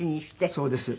そうです。